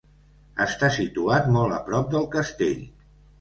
Està situat molt a prop del castell.